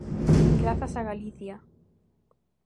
Grazas a Galicia.